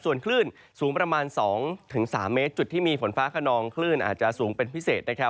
ส่วนคลื่นสูงประมาณ๒๓เมตรจุดที่มีฝนฟ้าขนองคลื่นอาจจะสูงเป็นพิเศษ